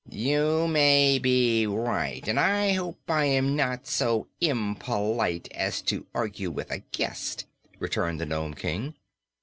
"You may be right, and I hope I am not so impolite as to argue with a guest," returned the Nome King.